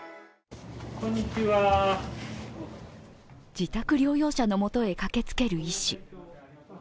自宅療養者のもとへ駆けつける医師。